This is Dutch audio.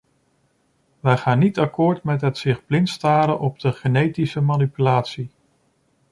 Wij gaan niet akkoord met het zich blindstaren op de genetische manipulatie.